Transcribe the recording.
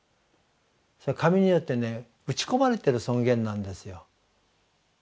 それは神によってね打ち込まれてる尊厳なんですよ。